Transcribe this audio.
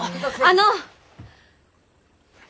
あの！